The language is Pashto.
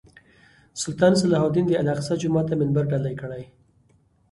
سلطان صلاح الدین د الاقصی جومات ته منبر ډالۍ کړی.